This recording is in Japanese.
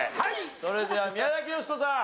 それでは宮崎美子さん。